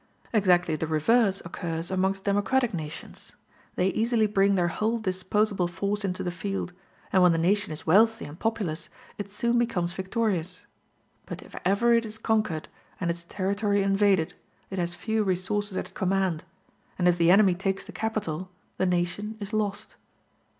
Exactly the reverse occurs amongst democratic nations: they easily bring their whole disposable force into the field, and when the nation is wealthy and populous it soon becomes victorious; but if ever it is conquered, and its territory invaded, it has few resources at command; and if the enemy takes the capital, the nation is lost.